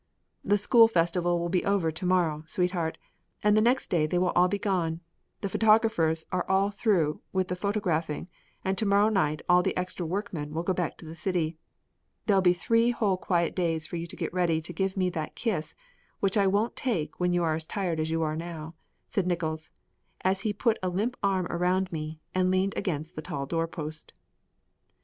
"The school festival will be over to morrow, sweetheart, and the next day they will all be gone. The photographers are all through with the photographing and to morrow night all the extra workmen go back to the city. There'll be three whole quiet days for you to get ready to give me that kiss, which I won't take when you are as tired as you are now," said Nickols, as he put a limp arm around me and leaned against the tall door post.